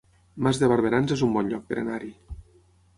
Mas de Barberans es un bon lloc per anar-hi